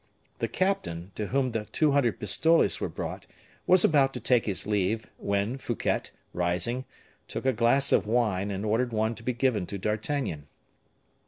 The captain, to whom the two hundred pistoles were brought, was about to take his leave, when Fouquet, rising, took a glass of wine, and ordered one to be given to D'Artagnan.